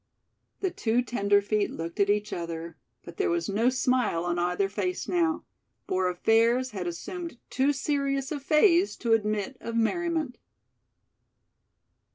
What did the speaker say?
The two tenderfeet looked at each other, but there was no smile on either face now; for affairs had assumed too serious a phase to admit of merriment.